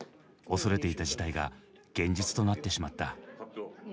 恐れていた事態が現実となってしまった。